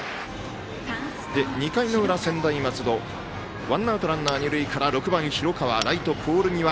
２回の裏、専大松戸ワンアウト、ランナー、二塁から６番の広川、ライトポール際。